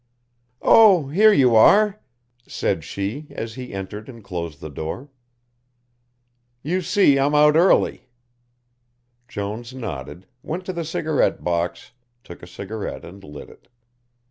"Oh, here you are," said she as he entered and closed the door. "You see I'm out early." Jones nodded, went to the cigarette box, took a cigarette and lit it.